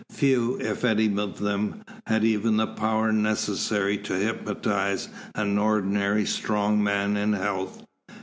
Few, if any of them, had even the power necessary to hypnotise an ordinarily strong man in health.